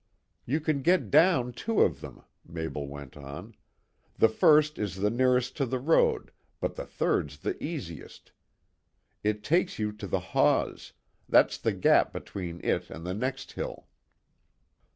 "You can get down two of them," Mabel went on. "The first is the nearest to the road, but the third's the easiest. It takes you to the Hause; that's the gap between it and the next hill."